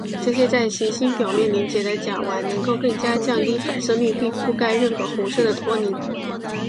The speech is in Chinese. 这些在行星表面凝结的甲烷能够更加降低反射率并覆盖任何红色的托林。